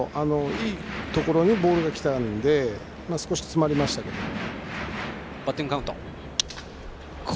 いいところにボールがきたので少し詰まりましたけども。